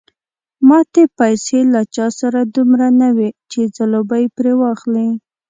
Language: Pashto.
ماتې پیسې له چا سره دومره نه وې چې ځلوبۍ پرې واخلي.